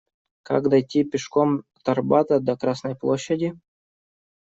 Как дойти пешком от Арбата до Красной Площади?